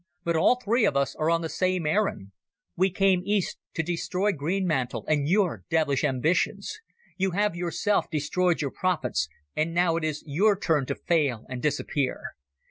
But all three of us are on the same errand. We came east to destroy Greenmantle and your devilish ambitions. You have yourself destroyed your prophets, and now it is your turn to fail and disappear.